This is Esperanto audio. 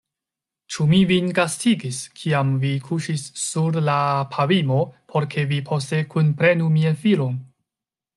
Ĉu mi vin gastigis, kiam vi kuŝis sur la pavimo, por ke vi poste kunprenu mian filon?